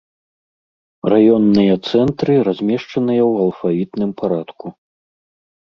Раённыя цэнтры размешчаныя ў алфавітным парадку.